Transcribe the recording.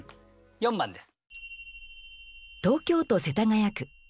４番です。